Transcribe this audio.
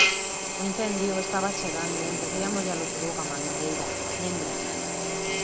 O incendio estaba chegando e empecei a mollalo todo coa mangueira, lembra.